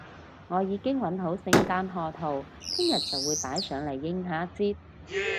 我已經搵好聖誕賀圖，聽日就會擺上嚟應下節